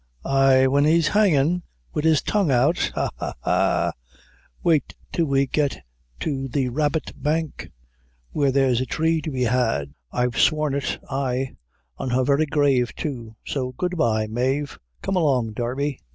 "Ay, when he's, hangin', wid his tongue out, ha, ha, ha; wait till we get to the Rabbit Bank, where there's a tree to be had; I've sworn it, ay, on her very grave too; so good by, Mave! Come along, Darby."